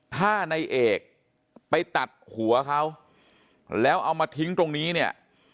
ถ้าในเอกไปตัดหัวเขาแล้วเอามาทิ้งตรงนี้เนี่ย